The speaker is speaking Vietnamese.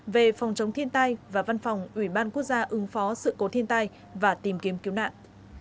về phòng chống thiên tai và văn phòng ủy ban quốc gia ứng phó sự cố thiên tai và tìm kiếm cứu nạn